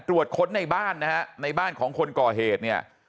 ตรวจค้นในบ้านนะฮะในบ้านของคนก่อเหตุเนี่ย